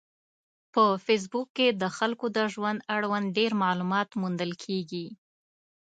په فېسبوک کې د خلکو د ژوند اړوند ډېر معلومات موندل کېږي.